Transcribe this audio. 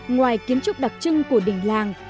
ngoài kiến trúc đặc trưng của đình làng